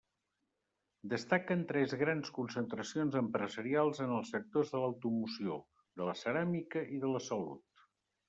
Destaquen tres grans concentracions empresarials en els sectors de l'automoció, de la ceràmica i de la salut.